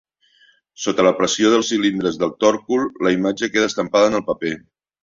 Sota la pressió dels cilindres del tòrcul la imatge queda estampada en el paper.